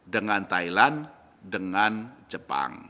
dengan thailand dengan jepang